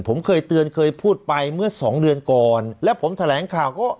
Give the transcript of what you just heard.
ผมเคยเตือนเคยพูดไปเมื่อสองเดือนก่อนแล้วผมแถลงข่าวก็